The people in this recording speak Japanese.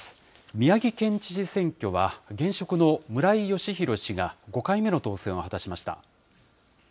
宮城県知事選挙は、現職の村井嘉浩氏が５回目の当選を果たしました。